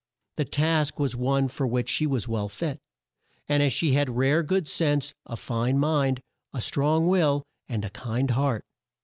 The task was one for which she was well fit, as she had rare good sense, a fine mind, a strong will, and a kind heart.